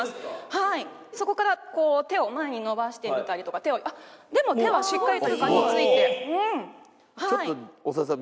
はいそこから手を前に伸ばしてみたりとかあでも手はしっかりと床についてちょっと長田さん